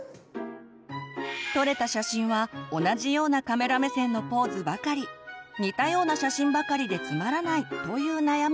撮れた写真は同じようなカメラ目線のポーズばかり似たような写真ばかりでつまらないという悩みも。